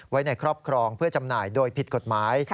ไว้ในครอบครองเพื่อจำหน่ายโดยผิดกฎหมาย